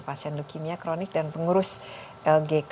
pasien leukemia kronik dan pengurus lgk